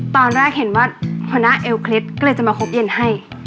อ๋อตอนแรกเห็นว่าผู้น่าเอลเคล็ทก็จะมาคบเย็นให้